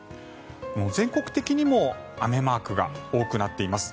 全国的にも雨マークが多くなっています。